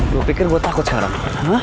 gue pikir gue takut sekarang